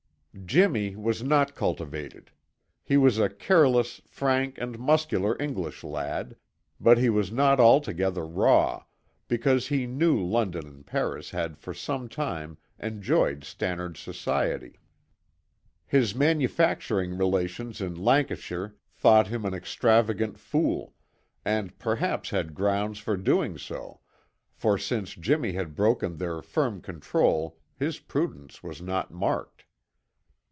Jimmy was not cultivated. He was a careless, frank and muscular English lad, but he was not altogether raw, because he knew London and Paris and had for some time enjoyed Stannard's society. His manufacturing relations in Lancashire thought him an extravagant fool, and perhaps had grounds for doing so, for since Jimmy had broken their firm control his prudence was not marked.